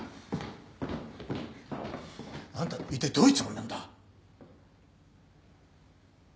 あんたいったいどういうつもりなんだ？